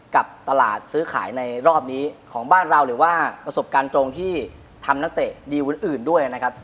กับตลาดซื้อขายในรอบนี้ของบ้านเราหรือว่าประสบการณ์ตรงที่ทำนักเตะดีคนอื่นด้วยนะครับ